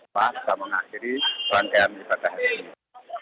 pak kita mengakhiri perangkaian di pada hari ini